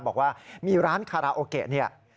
บอกว่ามีร้านคาราโอเกะ